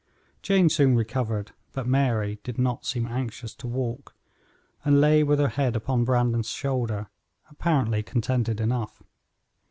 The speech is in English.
Jane soon recovered, but Mary did not seem anxious to walk, and lay with her head upon Brandon's shoulder, apparently contented enough.